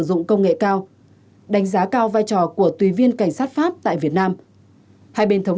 dụng công nghệ cao đánh giá cao vai trò của tùy viên cảnh sát pháp tại việt nam hai bên thống